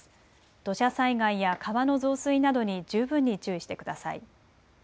土砂災害や川の増水などに十分に注意してください。